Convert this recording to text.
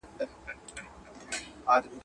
حکم د حدیث قرآن ګوره چي لا څه کیږي..